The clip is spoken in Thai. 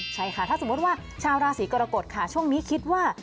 ใช่ค่ะถ้าสมมุติว่าชาวราศีกรกฎค่ะช่วงนี้คิดว่า